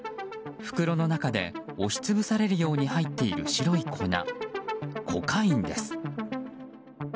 袋の中で押し潰されるように入っている白い粉コカインです。